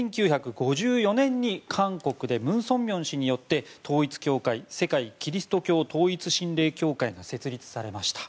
１９５４年に韓国で文鮮明氏によって統一教会・世界基督教統一神霊協会が設立されました。